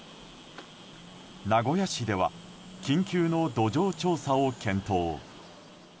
名古屋市では緊急の土壌調査を検討。